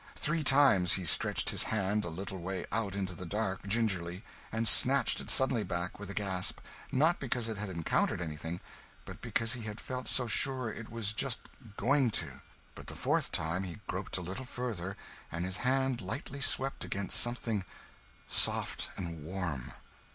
Three times he stretched his hand a little way out into the dark, gingerly; and snatched it suddenly back, with a gasp not because it had encountered anything, but because he had felt so sure it was just going to. But the fourth time, he groped a little further, and his hand lightly swept against something soft and warm.